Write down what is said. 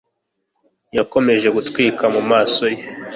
yakomeje gutwika mumaso ye